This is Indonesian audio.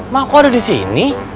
mak kok ada di sini